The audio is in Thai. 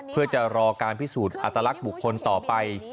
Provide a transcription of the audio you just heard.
เพื่อจะรอการพิสูจน์อัตลักษณ์บุคคลต่อไป